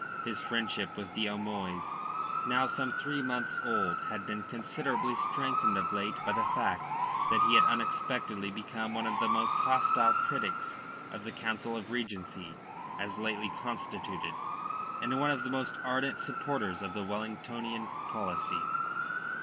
His friendship with the O'Moys, now some three months old, had been considerably strengthened of late by the fact that he had unexpectedly become one of the most hostile critics of the Council of Regency as lately constituted, and one of the most ardent supporters of the Wellingtonian policy.